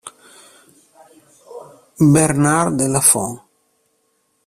Bernart de la Fon